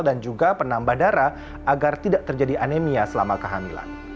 juga penambah darah agar tidak terjadi anemia selama kehamilan